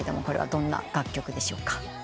これはどんな楽曲でしょうか？